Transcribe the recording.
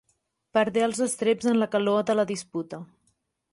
Perdé els estreps en la calor de la disputa.